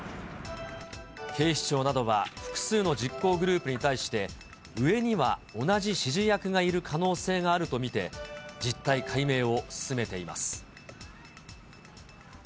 警視庁などは複数の実行グループに対して、上には同じ指示役がいる可能性があると見て、実態解明を進めています。